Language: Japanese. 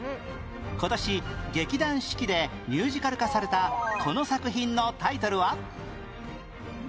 今年劇団四季でミュージカル化されたこの作品のタイトルは？